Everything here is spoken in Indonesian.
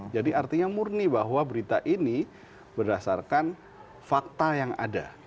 jadi artinya murni bahwa berita ini berdasarkan fakta yang ada